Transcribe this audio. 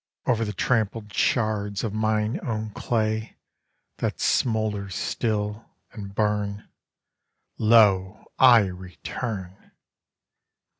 Over the trampled shards of mine own clay, That smoulder still, and burn, Lo, I return!